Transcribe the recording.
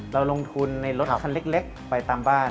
เราลงทุนในรถคันเล็กไปตามบ้าน